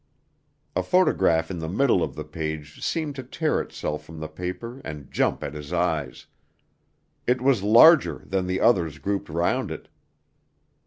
A photograph in the middle of the page seemed to tear itself from the paper and jump at his eyes. It was larger than the others grouped round it....